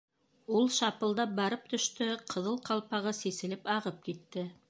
Ул шапылдап барып төштө, ҡыҙыл ҡалпағы сиселеп ағып китте.